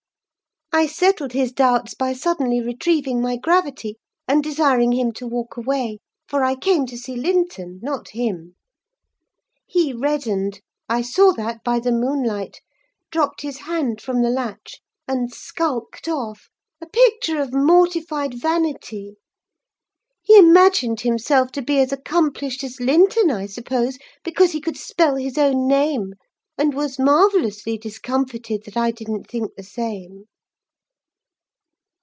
I settled his doubts, by suddenly retrieving my gravity and desiring him to walk away, for I came to see Linton, not him. He reddened—I saw that by the moonlight—dropped his hand from the latch, and skulked off, a picture of mortified vanity. He imagined himself to be as accomplished as Linton, I suppose, because he could spell his own name; and was marvellously discomfited that I didn't think the same."